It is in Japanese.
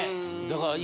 だから。